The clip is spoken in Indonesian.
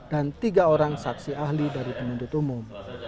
dan tiga orang saksi ahli dari pemandu umum